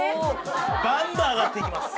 バンバン上がっていきます。